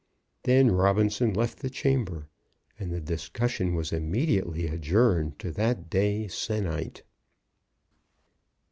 Then Robinson left the chamber, and the discussion was immediately adjourned to that day se'nnight.